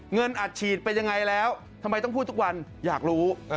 เงินอัดฉีดเป็นยังไงแล้วทำไมต้องพูดทุกวันอยากรู้